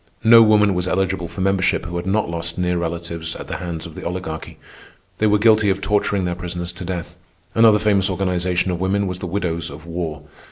No woman was eligible for membership who had not lost near relatives at the hands of the Oligarchy. They were guilty of torturing their prisoners to death. Another famous organization of women was The Widows of War.